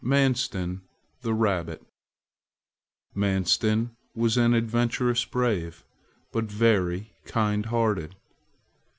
MANSTIN, THE RABBIT MANSTIN was an adventurous brave, but very kind hearted.